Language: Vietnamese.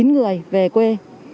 chín người về quê